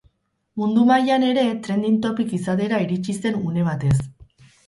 Mundu mailan ere trending topic izatera iritsi zen une batez.